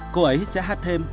cô ấy sẽ hát thêm